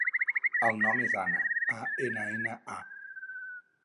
El nom és Anna: a, ena, ena, a.